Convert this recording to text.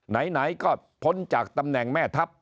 ไหนก็พ้นจากตำแหน่งแม่ทัพ